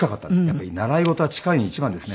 やっぱり習い事は近いの一番ですね。